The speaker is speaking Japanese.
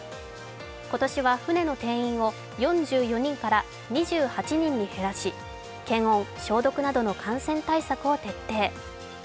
今年は船の定員を４４人から２８人に減らし検温、消毒などの感染対策を徹底。